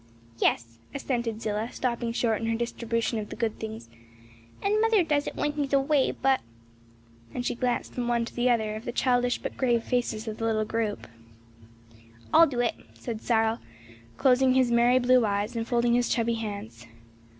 "Yes," assented Zillah, stopping short in her distribution of the good things; "and mother does it when he's away, but " and she glanced from one to the other of the childish but grave faces of the little group. "I'll do it," said Cyril, closing his merry blue eyes and folding his chubby hands.